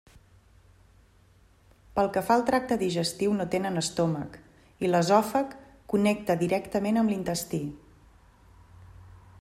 Pel que fa al tracte digestiu no tenen estómac i l'esòfag connecta directament amb l'intestí.